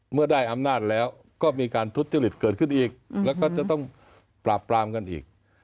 เมื่อได้อำนาจแล้วก็มีการทุจริตเกิดขึ้นอีกแล้วก็จะต้องปราบปรามกันอีก